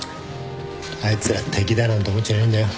あいつらは敵だなんて思っちゃいねえんだよ。